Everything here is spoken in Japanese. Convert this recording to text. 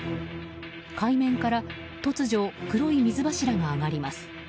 海面から突如黒い水柱が上がります。